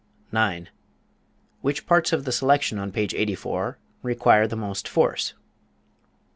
9. Which parts of the selection on page 84 require the most force?